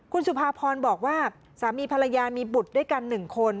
คุณสุภาพรบอกว่าสามีภรรยามีบุตรด้วยกัน๑คน